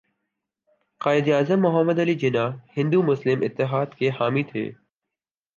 قائداعظم محمد علی جناح ہندو مسلم اتحاد کے حامی تھے